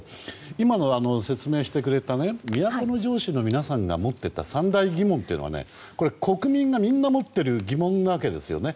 今説明してくれた都城市の皆さんが持っていた三大疑問はこれ、国民がみんな持っている疑問なわけですよね。